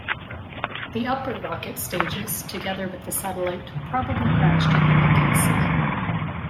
The upper rocket stages, together with the satellite, probably crashed in the Lincoln Sea.